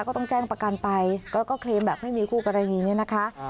ก็ต้องแจ้งประกันไปก็เคลมแบบไม่มีคู่กันอะไรอย่างนี้นะคะ